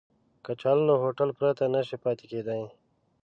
کچالو له هوټل پرته نشي پاتې کېدای